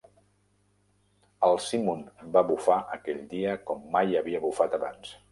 El simun va bufar aquell dia com mai havia bufat abans.